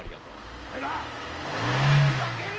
お前らふざけるな！